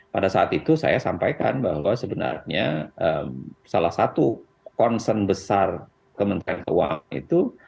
pada saat itu saya sampaikan bahwa sebenarnya salah satu concern besar kementerian keuangan itu